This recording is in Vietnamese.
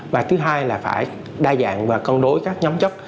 và thứ hai là phải đa dạng và cân đối các nhóm chất